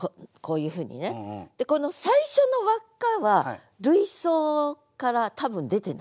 でこの最初の輪っかは類想から多分出てない。